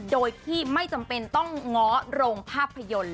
โดยที่ไม่จำเป็นต้องง้อโรงภาพยนตร์